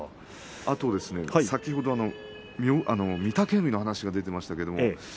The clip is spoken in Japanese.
あと先ほど御嶽海の話が出ていました。